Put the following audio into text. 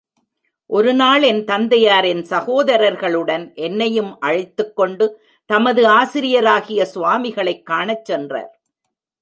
ஒரு நாள் என் தந்தையார் என் சகோதரர்களுடன் என்னையும் அழைத்துக் கொண்டு, தமது ஆசிரியராகிய சுவாமிகளைக் காணச் சென்றார்.